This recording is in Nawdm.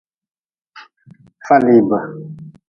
Falibi.